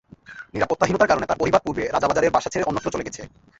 নিরাপত্তাহীনতার কারণে তাঁর পরিবার পূর্ব রাজাবাজারের বাসা ছেড়ে অন্যত্র চলে গেছে।